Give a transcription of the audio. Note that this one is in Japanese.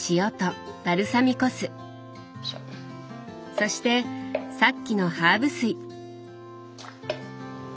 そしてさっきのハーブ水。